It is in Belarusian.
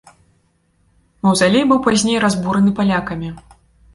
Маўзалей быў пазней разбураны палякамі.